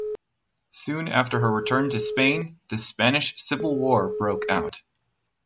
Soon after her return to Spain, the Spanish civil war broke out.